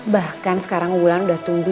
bahkan sekarang wulan udah tumbuh